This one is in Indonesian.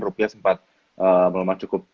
rupiah sempat melomak cukup